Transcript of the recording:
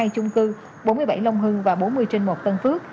hai chung cư bốn mươi bảy long hưng và bốn mươi trên một tân phước